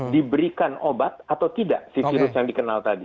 diberikan obat atau tidak si virus yang dikenal tadi